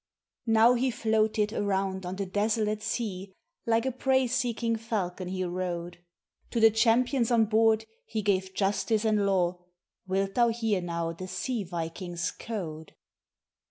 Now he floated around on the desolate sea, like a prey seeking falcon he rode, To the champions on board he gave justice and law; wilt thou hear now the sea viking's code?